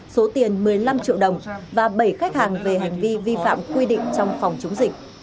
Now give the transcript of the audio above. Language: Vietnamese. số tiền một mươi năm triệu đồng và bảy khách hàng về hành vi vi phạm quy định trong phòng chống dịch